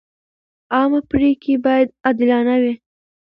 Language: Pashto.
عامه پریکړې باید عادلانه وي.